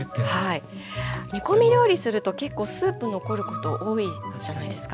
煮込み料理すると結構スープ残ること多いじゃないですか。